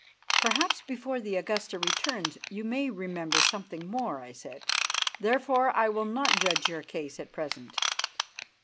"Perhaps before the Augusta returns you may remember something more," I said. "Therefore, I will not judge your case at present.